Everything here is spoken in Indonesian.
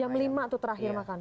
jam lima atau terakhir makan